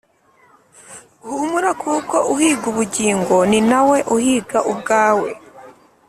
humura kuko uhiga ubugingo ninawe uhiga ubwawe